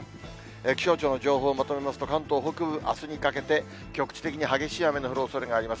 気象庁の情報をまとめますと、関東北部、あすにかけて、局地的に激しい雨の降るおそれがあります。